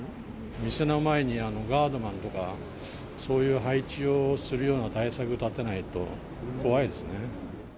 店の前にガードマンとか、そういう配置をするような対策を立てないと、怖いですね。